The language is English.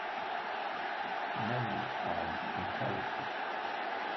Many are inherited.